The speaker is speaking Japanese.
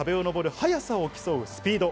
速さを競うスピード。